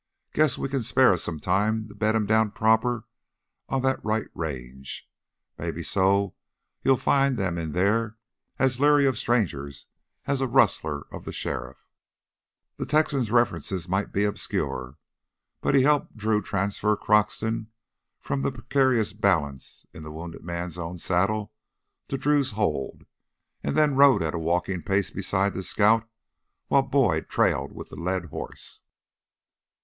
"Guess we can spare us some time to bed him down proper on th' right range. Maybeso you'll find them in theah as leery of strangers as a rustler of the sheriff " The Texan's references might be obscure, but he helped Drew transfer Croxton from the precarious balance in the wounded man's own saddle to Drew's hold, and then rode at a walking pace beside the scout while Boyd trailed with the led horse.